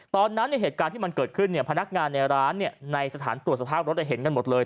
ในเหตุการณ์ที่มันเกิดขึ้นพนักงานในร้านในสถานตรวจสภาพรถเห็นกันหมดเลย